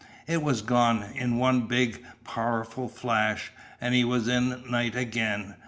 It was gone in one big, powderlike flash, and he was in night again.